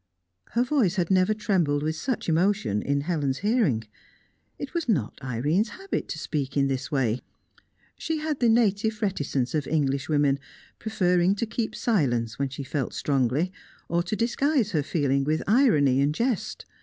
Her voice had never trembled with such emotion in Helen's hearing. It was not Irene's habit to speak in this way. She had the native reticence of English women, preferring to keep silence when she felt strongly, or to disguise her feeling with irony and jest.